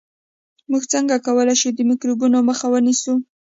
موږ څنګه کولای شو د میکروبونو مخه ونیسو